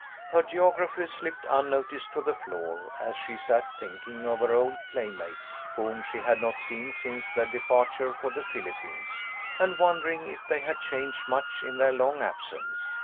Her geography slipped unnoticed to the floor, as she sat thinking of her old playmates, whom she had not seen since their departure for the Philippines, and wondering if they had changed much in their long absence.